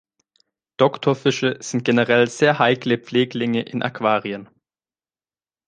Doktorfische sind generell sehr heikle Pfleglinge in Aquarien.